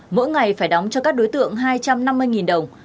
mỗi ngày phải đóng cho các đối tượng hai trăm năm mươi đồng